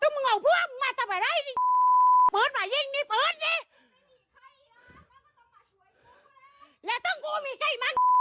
มึงมาพอใหม่ละอีกนิเปิดมายิ่งนี้